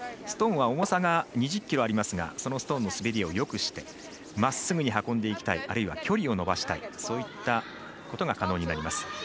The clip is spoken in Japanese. ストーンは重さが２０ｋｇありますがそのストーンの滑りをよくしてまっすぐに滑りたいあるいは距離を伸ばしたいそういったことが可能になります。